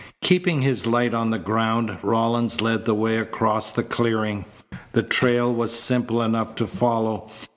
Keeping his light on the ground, Rawlins led the way across the clearing. The trail was simple enough to follow.